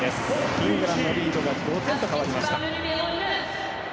イングランドのリード５点と変わりました。